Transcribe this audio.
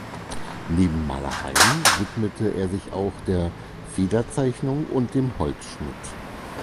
Neben Malereien widmete er sich auch der Federzeichnung und dem Holzschnitt.